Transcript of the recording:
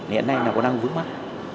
hiện nay là có năng vứt mắt